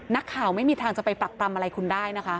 นักข่าวไม่มีทางจะไปปรักปรำอะไรคุณได้นะคะ